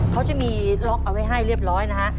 เขาจะมีล็อกเอาไว้ให้เรียบร้อยนะฮะ